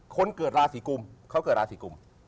คนเกิดราศีกุมเขาเกิดราศีกุม